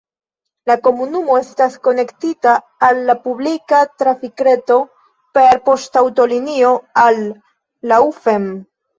La komunumo estas konektita al la publika trafikreto per poŝtaŭtolinio al Laufen.